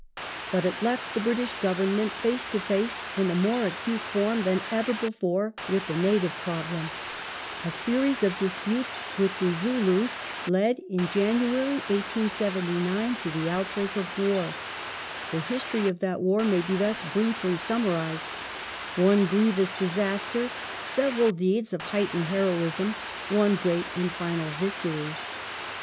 But it left the British Government face to face, in a more acute form than ever before, with the native problem. A series of disputes with the Zulus led in January, 1879, to the outbreak of war. The history of that war may be thus briefly summarized : one grievous disaster, several deeds of heightened heroism, one great and final victory.